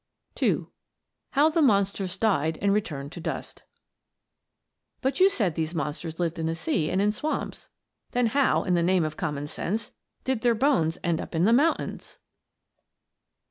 HOW THE MONSTERS DIED AND RETURNED TO DUST "But you said these monsters lived in the sea and in swamps. Then how, in the name of common sense, did their bones get up into the mountains?"